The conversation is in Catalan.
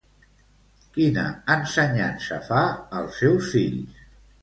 Quina ensenyança fa als seus fills?